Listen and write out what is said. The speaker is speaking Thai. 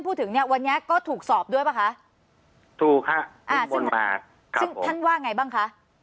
พูดถึงเนี้ยวันนี้ก็ถูกสอบด้วยป่ะคะถูกค่ะอ่าซึ่งมาซึ่งท่านว่าไงบ้างคะ